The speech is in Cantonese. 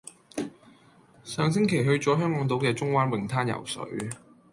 上星期去咗香港島嘅中灣泳灘游水。